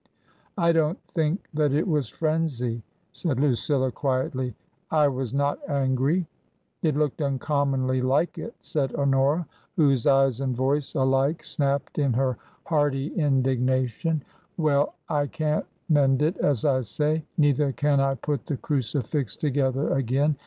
" I don't think that it was frenzy," said Lucilla, quietly ;" I was not angry." " It looked uncommonly like it," said Honora, whose eyes and voice alike snapped in her hearty indignation ;" well, I can't mend it, as I say. Neither can I put the crucifix together again.